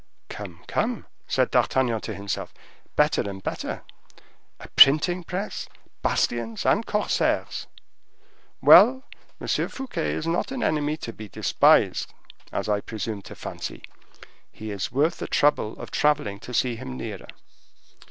"Come, come!" said D'Artagnan to himself—"better and better. A printing press, bastions, and corsairs! Well, M. Fouquet is not an enemy to be despised, as I presumed to fancy. He is worth the trouble of travelling to see him nearer."